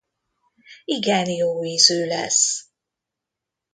Igen jóízű lesz!